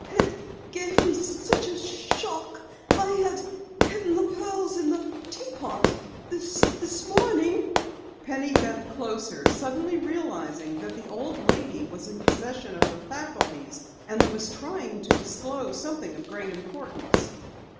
"It gave me such a shock I had hidden the pearls in the teapot. This morning " Penny bent closer, suddenly realizing that the old lady was in possession of her faculties and was trying to disclose something of great importance.